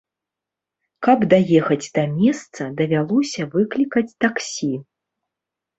Каб даехаць да месца, давялося выклікаць таксі.